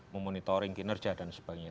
memonitoring kinerja dan sebagainya